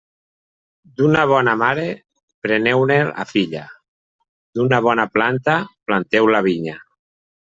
D'una bona mare, preneu-ne la filla; d'una bona planta, planteu la vinya.